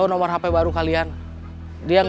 yang akan jadi usianya humbled newest